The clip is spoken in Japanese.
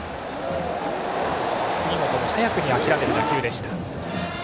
杉本が早くにあきらめる打球でした。